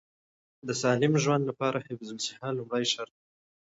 د سالم ژوند لپاره حفظ الصحه لومړی شرط دی.